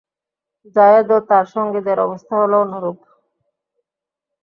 যায়েদ ও তার সঙ্গীদের অবস্থা হল অন্যরূপ।